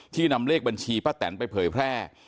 นำเลขบัญชีป้าแตนไปเผยแพร่